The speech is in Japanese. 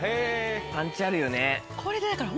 パンチあるよね。